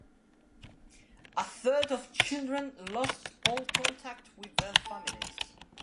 A third of children lost all contact with their families.